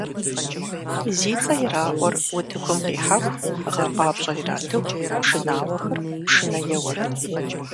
Зи цӀэ ираӀуэр утыкум къихьэху, гъэфӀапщӀэр иратыху, пшынауэхэр пшынэ еуэрт.